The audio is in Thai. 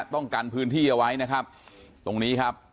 ต้องกันพื้นที่เอาไว้นะครับตรงนี้ครับ